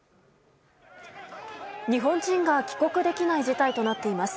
日本人が帰国できない事態となっています。